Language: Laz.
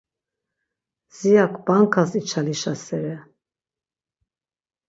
Ziyak bankas içalişasere.